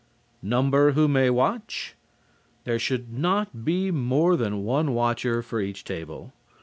NUMBER WHO MAY WATCH There should not be more than one watcher for each table.